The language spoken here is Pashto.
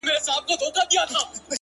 ډک گيلاسونه دي شرنگيږي، رېږدي بيا ميکده،